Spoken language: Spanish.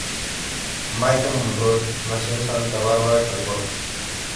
Maika Monroe nació en Santa Bárbara, California.